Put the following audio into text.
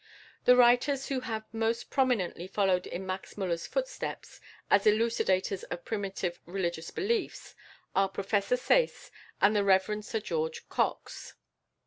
The writers who have most prominently followed in Max Müller's footsteps, as elucidators of primitive religious belief, are Professor Sayce and the Rev. Sir George Cox.